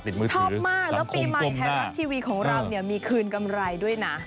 ชอบมากแล้วปีใหม่ไทยรัฐทีวีของเราเนี่ยมีคืนกำไรด้วยนะ